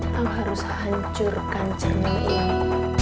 kau harus hancurkan cermin ilmu